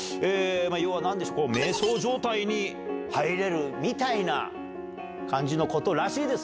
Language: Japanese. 要はなんでしょう、めい想状態に入れるみたいな感じのことらしいです。